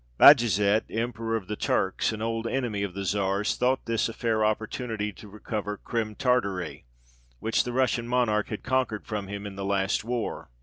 Bajazet, Emperor of the Turks, an old enemy of the Czar's, thought this a fair opportunity to recover Crim Tartary, which the Russian Monarch had conquered from him in the last war.